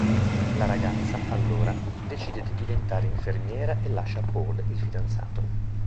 La ragazza, allora, decide di diventare infermiera e lascia Paul, il fidanzato.